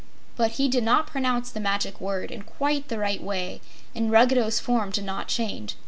But he did not pronounce the Magic Word in quite the right way, and Ruggedo's form did not change.